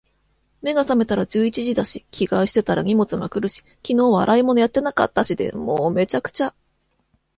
目が覚めたら十一時だし、着替えしてたら荷物が来るし、昨日は洗い物やってなかったしで……もう、滅茶苦茶。